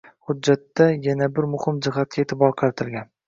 Hujjatda yana bir muhim jihatga eʼtibor qaratilgan.